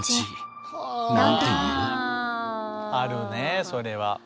あるねそれは。